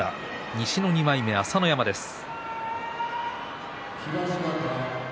西の２枚目朝乃山です。